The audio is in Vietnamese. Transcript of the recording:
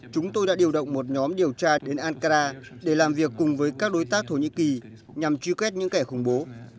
chúng tôi đã điều động một nhóm điều tra đến ankara để làm việc cùng với các đối tác thổ nhĩ kỳ nhằm truy quét những kẻ khủng bố